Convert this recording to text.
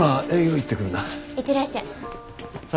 行ってらっしゃい。